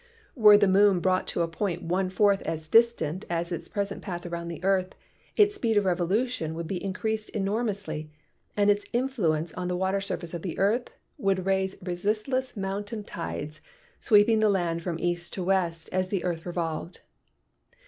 Were the moon brought to a point one fourth as distant as its present path around the earth, its speed of revolution would be enormously increased and its influence on the water surface of the earth would raise resistless mountain tides, sweeping the land from east to west as the earth revolved.